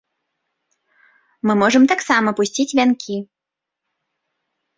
Мы можам таксама пусціць вянкі.